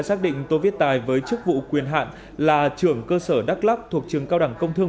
xác định tô viết tài với chức vụ quyền hạn là trưởng cơ sở đắk lắc thuộc trường cao đẳng công thương